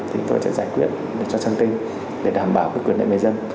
thì chúng tôi sẽ giải quyết cho thông tin để đảm bảo quyền lợi của người dân